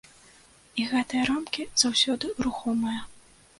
І гэтыя рамкі заўсёды рухомыя.